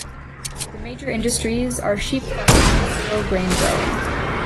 The major industries are sheep farming and cereal grain growing.